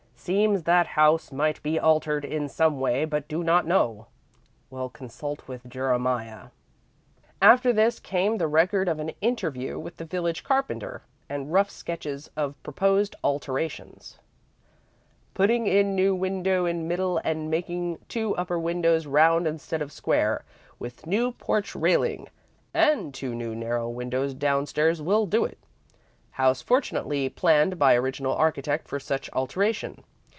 "Seems that house might be altered in some way, but do not know. Will consult with Jeremiah." After this came the record of an interview with the village carpenter, and rough sketches of proposed alterations. "Putting in new window in middle and making two upper windows round instead of square, with new porch railing and two new narrow windows downstairs will do it. House fortunately planned by original architect for such alteration.